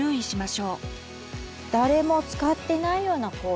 誰も使ってないような公園。